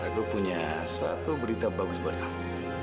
aku punya satu berita bagus buat aku